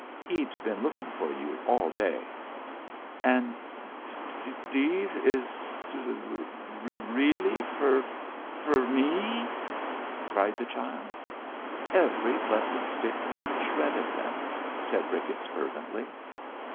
He'd been looking for you all day." "And dese is really fer me?" cried the child. "Every blessed stick and shred of them," said Ricketts fervently.